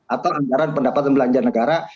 atau anggaran pendapatan belanja negara